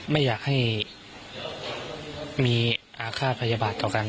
ไม่อยากให้มีอาฆาตพยาบาทต่อกัน